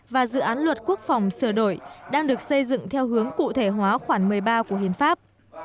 và dự án luật quốc phòng sửa đổi đang được xây dựng theo hướng cụ thể hóa khoảng một mươi ba của hiến pháp